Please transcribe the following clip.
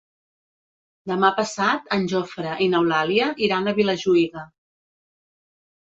Demà passat en Jofre i n'Eulàlia iran a Vilajuïga.